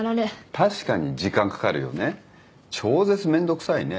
確かに時間かかるよね。